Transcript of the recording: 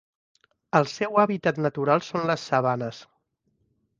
El seu hàbitat natural són les sabanes.